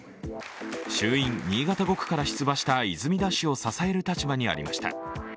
衆院新潟５区から出馬した泉田氏を支える立場にありました。